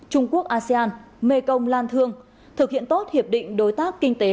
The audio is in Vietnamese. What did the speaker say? trung quốc asean mekong lan thương thực hiện tốt hiệp định đối tác kinh tế